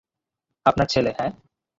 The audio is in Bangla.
আপনার ছেলে, হ্যাঁ?